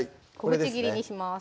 小口切りにします